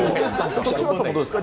徳島さんもどうですか？